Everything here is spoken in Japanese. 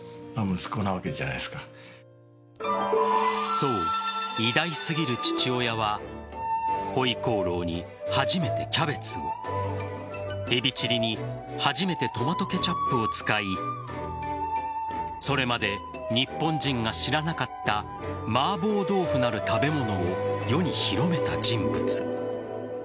そう、偉大すぎる父親は回鍋肉に初めてキャベツをエビチリに初めてトマトケチャップを使いそれまで日本人が知らなかった麻婆豆腐なる食べ物を世に広めた人物。